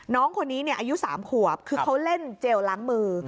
น้องคนนี้อายุ๓ขวบคือเขาเล่นเจลล้างมือ